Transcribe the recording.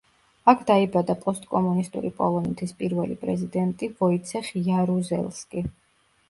აქ დაიბადა პოსტკომუნისტური პოლონეთის პირველი პრეზიდენტი ვოიცეხ იარუზელსკი.